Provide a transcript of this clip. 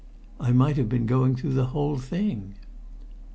"I might have been going through the whole thing."